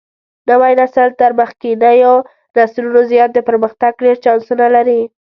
نوى نسل تر مخکېنيو نسلونو زيات د پرمختګ ډېر چانسونه لري.